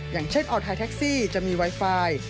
อย่างเช่นออนไทยแท็กซี่จะมีไวไฟ